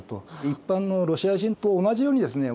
一般のロシア人と同じようにですね